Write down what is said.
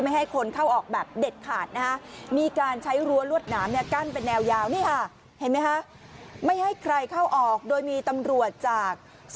ให้คนเข้าออกแบบเด็ดขาดนะฮะ